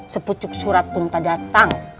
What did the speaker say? sepucuk surat pun tak datang